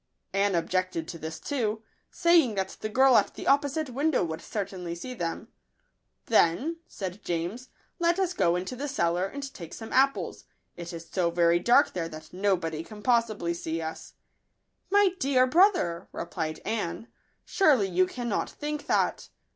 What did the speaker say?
Anne objected to this too, saying that the girl at the opposite window would certainly see them. " Then," said James, " let us go into the cellar, and take some apples ; it is so very dark there that nobody can possibly see us." " My dear bro ther," replied Anne, " surely you cannot think that.